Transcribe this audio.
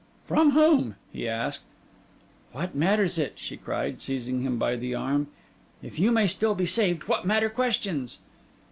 'For whom?' he asked. 'What matters it,' she cried, seizing him by the arm. 'If you may still be saved, what matter questions?